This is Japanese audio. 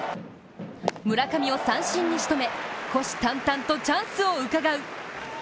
村上を三振にしとめ、虎視眈々とチャンスをうかがう。